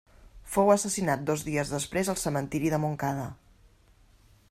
Fou assassinat dos dies després al cementiri de Montcada.